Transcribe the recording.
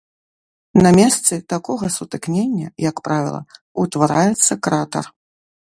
На месцы такога сутыкнення, як правіла, утвараецца кратар.